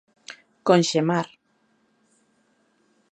Conxemar.